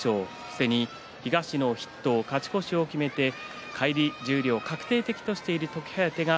すでに東の筆頭勝ち越しを決めて返り十両を確定的としている時疾風です。